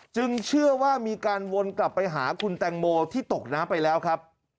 เชื่อว่ามีการวนกลับไปหาคุณแตงโมที่ตกน้ำไปแล้วครับ